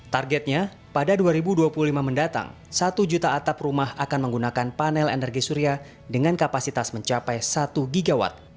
targetnya pada dua ribu dua puluh lima mendatang satu juta atap rumah akan menggunakan panel energi surya dengan kapasitas mencapai satu gigawatt